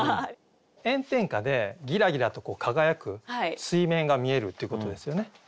炎天下でぎらぎらと輝く水面が見えるっていうことですよね。